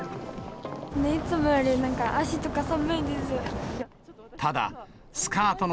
いつもより足とか寒いです。